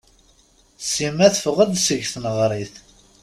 Sima teffeɣ-d seg tneɣrit.